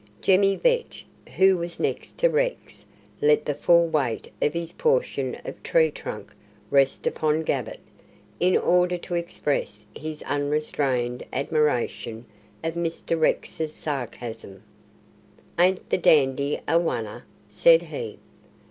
Jemmy Vetch, who was next to Rex, let the full weight of his portion of tree trunk rest upon Gabbett, in order to express his unrestrained admiration of Mr. Rex's sarcasm. "Ain't the Dandy a one'er?" said he.